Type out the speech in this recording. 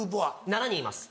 ７人います。